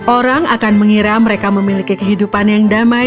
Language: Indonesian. orang akan mengira mereka memiliki kehidupan yang damai